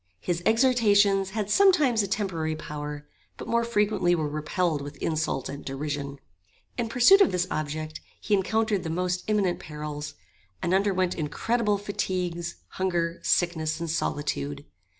His exhortations had sometimes a temporary power, but more frequently were repelled with insult and derision. In pursuit of this object he encountered the most imminent perils, and underwent incredible fatigues, hunger, sickness, and solitude.